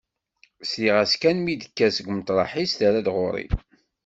Sliɣ-as kan mi d-tekker seg umṭreḥ-is terra-d ɣur-i.